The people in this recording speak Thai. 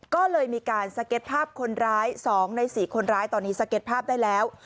ก็เลยมีการสเก็ตภาพคนร้าย๒ใน๔คนร้ายตอนนี้สเก็ตภาพได้แล้ว